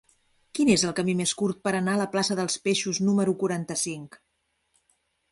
Quin és el camí més curt per anar a la plaça dels Peixos número quaranta-cinc?